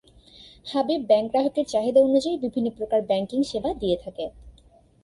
Habib Bank গ্রাহকের চাহিদা অনুযায়ী বিভিন্ন প্রকার ব্যাংকিং সেবা দিয়ে থাকে।